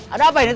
ada apa ini t